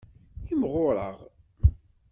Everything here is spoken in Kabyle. Imɣureɣ.